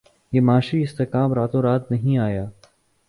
یہ معاشی استحکام راتوں رات نہیں آیا